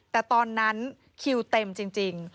แต่ตอนนั้นคิวเต็มจริง